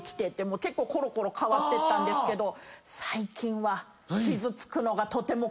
結構コロコロ変わってったんですけど。